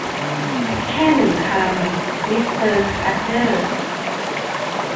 แค่หนึ่งคำ มิสเตอร์สคัดเดอร์